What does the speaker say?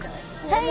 はい！